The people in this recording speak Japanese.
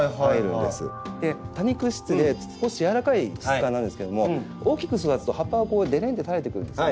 多肉質で少し軟らかい質感なんですけども大きく育つと葉っぱがこうでれんって垂れてくるんですね。